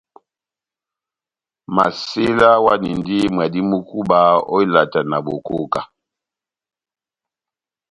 Masela awanindi mwadi mú kúba ó ilata na bokóká.